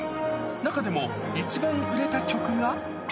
中でも、一番売れた曲が。